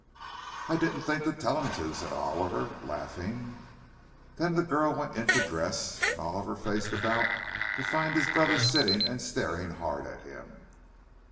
"I didn't think to tell him to," said Oliver, laughing. Then the girl went in to dress—and Oliver faced about to find his brother sitting and staring hard at him.